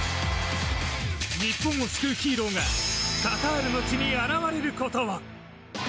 日本を救うヒーローがカタールの地に現れることを！